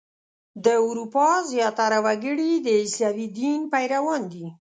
د اروپا زیاتره وګړي د عیسوي دین پیروان دي.